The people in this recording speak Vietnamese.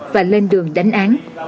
và lên đường đánh án